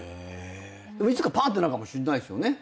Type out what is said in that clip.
でもいつかぱってなるかもしれないですよね。